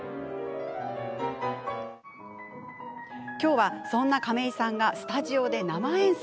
今日は、そんな亀井さんがスタジオで生演奏。